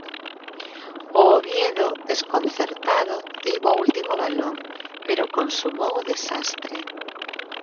O Oviedo, desconcertado, tivo o último balón, pero consumou o desastre.